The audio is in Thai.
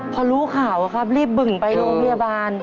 พอรู้ข่าวครับรีบบึ่งไปโรงพยาบาล